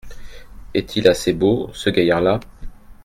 Est-il assez beau, ce gaillard-là ?